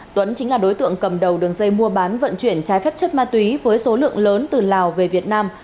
tuấn chính là đối tượng cầm đầu đường dây mua bán vận chuyển trái phép chất ma túy với số lượng lớn từ lào về việt nam